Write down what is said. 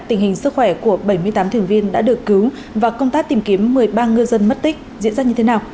tình hình sức khỏe của bảy mươi tám thuyền viên đã được cứu và công tác tìm kiếm một mươi ba ngư dân mất tích diễn ra như thế nào